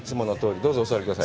どうぞお座りください。